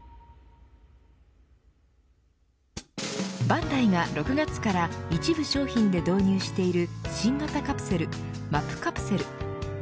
バンダイが６月から一部商品で導入している新型カプセル、マプカプセル。